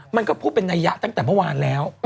มันก็พูดเป็นนัยยะตั้งแต่เมื่อวานแล้ว